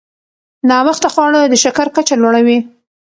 ناوخته خواړه د شکر کچه لوړوي.